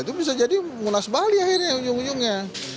itu bisa jadi munas bali akhirnya ujung ujungnya